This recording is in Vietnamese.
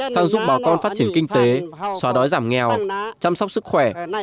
sang giúp bà con phát triển kinh tế xóa đói giảm nghèo chăm sóc sức khỏe